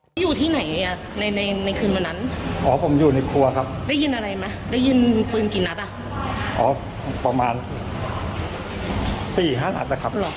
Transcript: พี่ท่านหน้าที่อะไรในยานนะครับอยู่ในครัวครับอยู่ในครัวแล้วตอนเกิดเหตุพี่ได้ยินเสียงไหมครับ